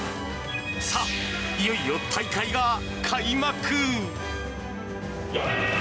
さあ、いよいよ大会が開幕。